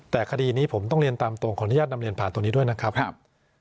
แต่คดีนี้ผมต้องเรียนตามตรงขออนุญาตนำเรียนผ่านตรงนี้ด้วยนะครับ